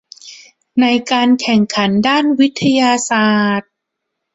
ในการแข่งขันด้านวิทยาศาสตร์